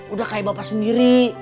udah kayak bapak sendiri